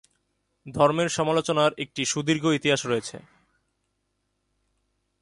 ধর্মের সমালোচনার একটি সুদীর্ঘ ইতিহাস রয়েছে।